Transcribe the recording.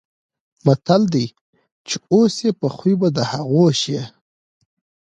متل دی: چې اوسې په خوی به د هغو شې.